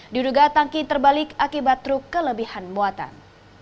diduga tangki terbalik akibat truk kelebihan muatan